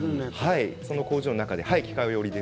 この工場の中で機械織りです。